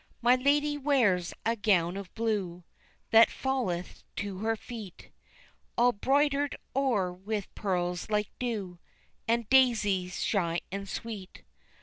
My ladye wears a gown of blue That falleth to her feet, All broidered o'er with pearls like dew, And daisies shy and sweet.